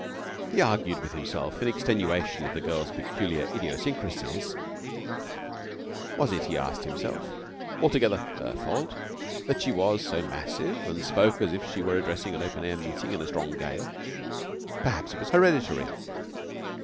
He argued with himself in extenuation of the girl's peculiar idiosyncrasies. Was it, he asked himself, altogether her fault that she was so massive and spoke as if she were addressing an open air meeting in a strong gale? Perhaps it was hereditary.